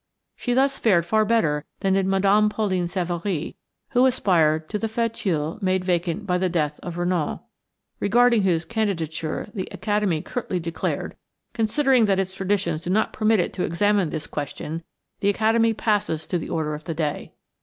She thus fared far better than did Mme. Pauline Savari, who aspired to the fauteuil made vacant by the death of Renan, regarding whose candidature the Academy curtly declared, "Considering that its traditions do not permit it to examine this question, the Academy passes to the order of the day."